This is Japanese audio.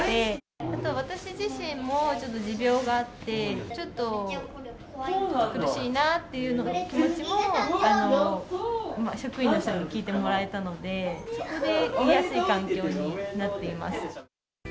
あと、私自身もちょっと持病があって、ちょっと苦しいなっていう気持ちも、職員の人に聞いてもらえたので、そこでいやすい環境になっています。